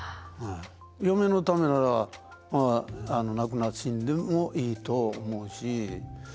嫁のためなら亡くなって死んでもいいと思うし。